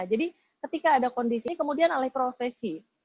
jadi ketika ada kondisi kemudian oleh profesi